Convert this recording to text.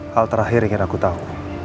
hal terakhir ingin aku tahu